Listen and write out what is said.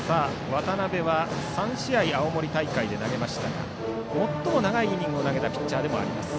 渡部は３試合青森大会で投げましたが最も長いイニングを投げたピッチャーでもあります。